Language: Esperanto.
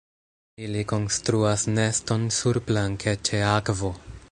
Ili konstruas neston surplanke ĉe akvo.